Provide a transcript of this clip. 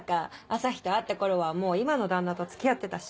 朝陽と会った頃はもう今の旦那と付き合ってたし。